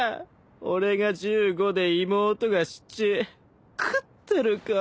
俺が１５で妹が７喰ってるからなぁあ。